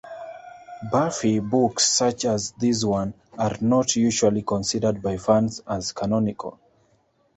"Buffy" books such as this one are not usually considered by fans as canonical.